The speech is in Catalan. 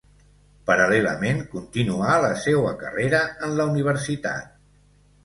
Paral·lelament continuà la seua carrera en la universitat.